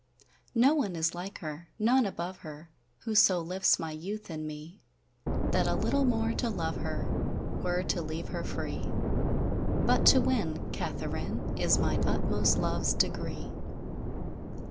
None is like her, none above her, Who so lifts my youth in me, That a littel more to love her Were to leave her free! But to winne Katheryn, Is mine utmost love's degree.